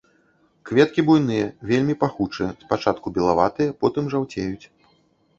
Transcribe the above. Кветкі буйныя, вельмі пахучыя, спачатку белаватыя, потым жаўцеюць.